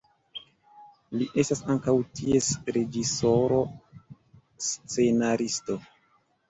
Li estas ankaŭ ties reĝisoro, scenaristo.